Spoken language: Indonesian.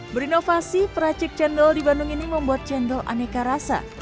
berinovasi peracik cendol di bandung ini membuat cendol aneka rasa